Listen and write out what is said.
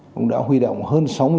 cũng đã huy động hơn sáu mươi